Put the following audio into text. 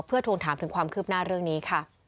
เพื่อทวงถามถึงความคืบหน้าเรื่องนี้ค่ะ